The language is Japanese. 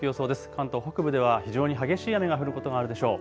関東北部では非常に激しい雨が降ることがあるでしょう。